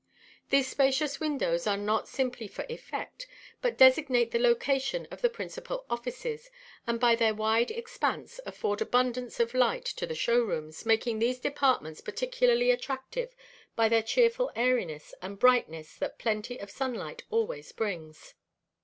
These spacious windows are not simply for effect, but designate the location of the principal offices, and by their wide expanse afford abundance of light to the show rooms, making these departments particularly attractive by the cheerful airiness and brightness that plenty of sunlight always brings. [Illustration: THE LARGE OFFICE WINDOWS.